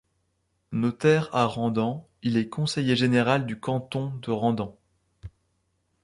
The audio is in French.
Notaire à Randan, il est conseiller général du canton de Randan.